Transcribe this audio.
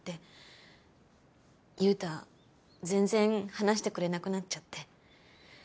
優太全然話してくれなくなっちゃって。